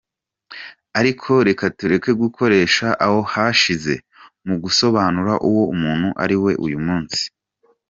Ariko reka tureke gukoresha aho hashize mu gusobanura uwo umuntu ari we uyu munsi.